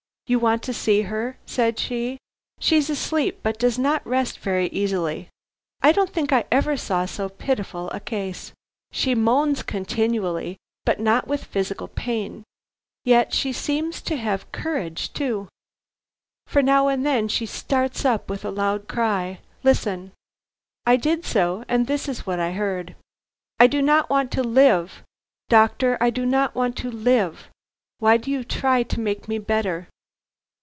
"You want to see her," said she. "She's asleep, but does not rest very easily. I don't think I ever saw so pitiful a case. She moans continually, but not with physical pain. Yet she seems to have courage too; for now and then she starts up with a loud cry. Listen." I did so, and this is what I heard: "I do not want to live; doctor, I do not want to live; why do you try to make me better?"